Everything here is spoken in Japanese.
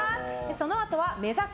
そのあとは目指せ！